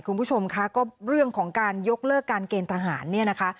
คุณผู้ชมคะก็เรื่องของการยกเลิกการเกณฑ์ทหารเนี่ยนะคะ